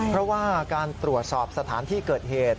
เพราะว่าการตรวจสอบสถานที่เกิดเหตุ